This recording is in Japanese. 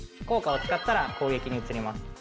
効果を使ったら攻撃に移ります。